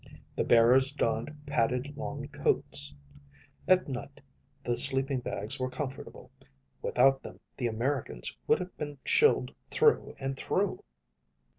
The bearers donned padded long coats. At night, the sleeping bags were comfortable; without them the Americans would have been chilled through and through.